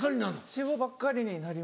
脂肪ばっかりになります